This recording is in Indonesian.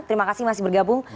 terima kasih masih bergabung